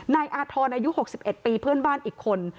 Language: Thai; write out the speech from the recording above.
นายอาทรอนอายุหกสิบเอ็ดปีเพื่อนบ้านอีกคน